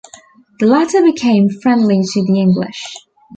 The latter became friendly to the English.